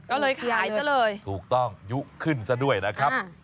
ก็เลยขายซะเลยถูกต้องยุขึ้นซะด้วยนะครับ